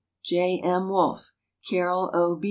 J. M. Wolfe, Carroll O.